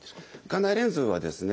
眼内レンズはですね